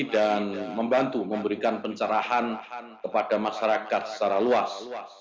dan membantu memberikan pencerahan kepada masyarakat secara luas